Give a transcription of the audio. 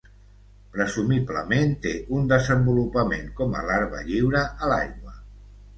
Presumiblement té un desenvolupament com a larva lliure a l'aigua.